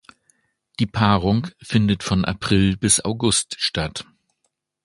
Die Paarung findet von April bis August statt.